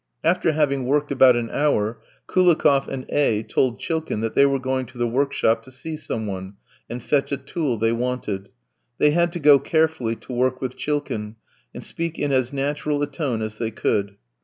After having worked about an hour, Koulikoff and A v told Chilkin that they were going to the workshop to see some one, and fetch a tool they wanted. They had to go carefully to work with Chilkin, and speak in as natural a tone as they could.